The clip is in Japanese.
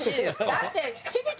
だって。